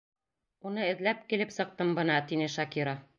Уны эҙләп килеп сыҡтым бына, тине Шакира.